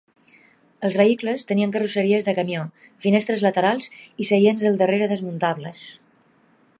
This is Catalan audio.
Els vehicles tenien carrosseries de camió, finestres laterals i seients del darrere desmuntables.